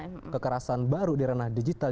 karena kekerasan baru di ranah digital